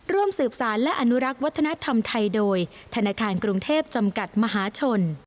ร่วมสืบสารและอนุรักษ์วัฒนธรรมไทยโดยธนาคารกรุงเทพจำกัดมหาชน